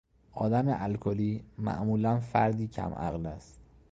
آدم الکلی معمولا فردی کم عقل است.